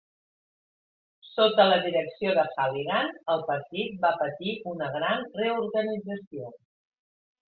Sota la direcció de Halligan, el partit va patir una gran reorganització.